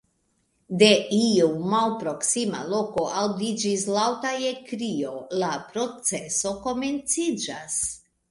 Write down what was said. De iu malproksima loko aŭdiĝis laŭta ekkrio: " La proceso komenciĝas!"